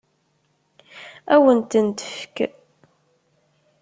Ad wen-tent-tefk?